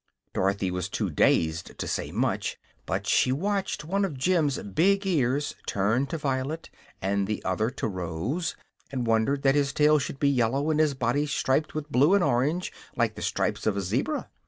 Dorothy was too dazed to say much, but she watched one of Jim's big ears turn to violet and the other to rose, and wondered that his tail should be yellow and his body striped with blue and orange like the stripes of a zebra.